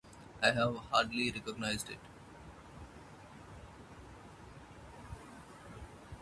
I have hardly recognised it.